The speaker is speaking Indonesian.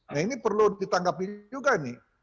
nah ini perlu ditanggapi juga ya pak